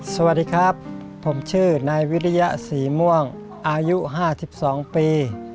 สวัสดีครับผมชื่อนายวิริยะศรีม่วงอายุ๕๒ปี